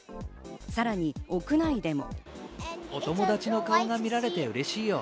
さらに屋内でも。